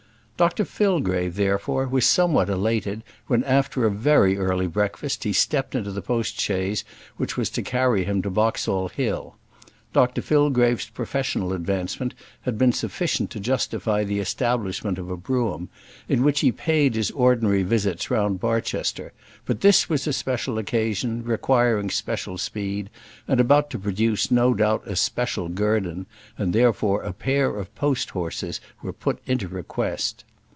Dr Fillgrave, therefore, was somewhat elated when, after a very early breakfast, he stepped into the post chaise which was to carry him to Boxall Hill. Dr Fillgrave's professional advancement had been sufficient to justify the establishment of a brougham, in which he paid his ordinary visits round Barchester; but this was a special occasion, requiring special speed, and about to produce no doubt a special guerdon, and therefore a pair of post horses were put into request.